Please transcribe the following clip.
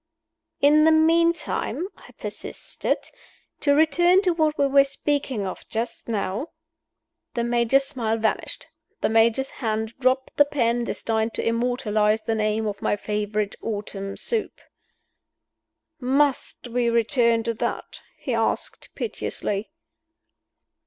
"In the meantime," I persisted, "to return to what we were speaking of just now " The Major's smile vanished; the Major's hand dropped the pen destined to immortalize the name of my favorite autumn soup. "Must we return to that?" he asked, piteously.